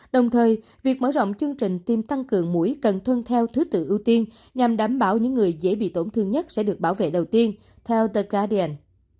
đồng thời việc mở rộng chương trình tiêm tăng cường mũi cần tuân theo thứ tự ưu tiên nhằm đảm bảo những người dễ bị tổn thương nhất sẽ được bảo vệ đầu tiên theo terden